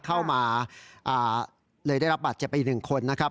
เข้ามาเลยได้รับบาดเจ็บไปอีกหนึ่งคนนะครับ